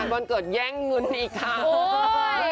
วันวันเกิดแย่งเงินอีกค่ะโอ้ย